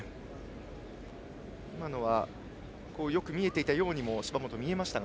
今のは芝本、よく見えていたように見えましたが。